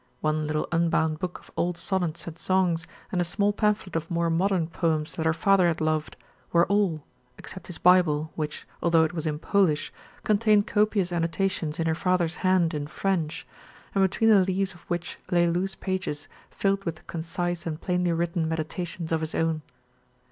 One little unbound book of old sonnets and songs and a small pamphlet of more modern poems that her father had loved, were all, except his Bible, which, although it was in Polish, contained copious annotations in her father's hand in French, and between the leaves of which lay loose pages filled with concise and plainly written meditations of his own.